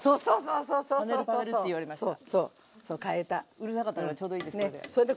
うるさかったからちょうどいいですこれで。